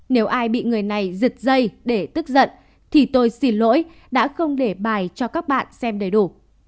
nếu ai bị người này rực dây để tức giận thì tôi xin lỗi đã không để bài cho các bạn xem đầy đủ